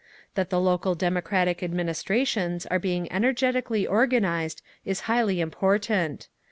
"That the local democratic administrations are being energetically organised is highly important.